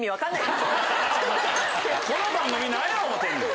この番組何や思うてんねん。